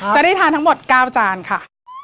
จะได้ทานทั้งหมด๙จานค่ะ